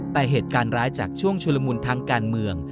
แต่เหตุการณ์ร้ายจากช่วงชุลมุนทางการเมือง